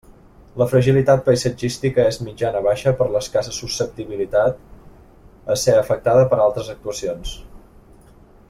La fragilitat paisatgística és mitjana-baixa per l'escassa susceptibilitat a ser afectada per altres actuacions.